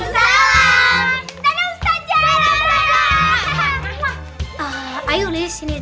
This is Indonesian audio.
dan ustaz jalan